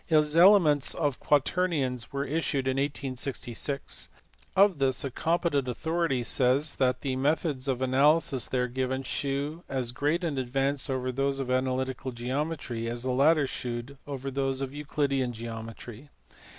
His Mlematf* o/Quatemum* were issued in 1866 : of this a compe tent authority says that the methods of analysis there given shew as great an advance over those of analytical geometry, as the lillm ihneiMl over those of Euclidean geometry.